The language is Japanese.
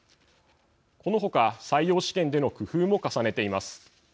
この他、採用試験での工夫も重ねています。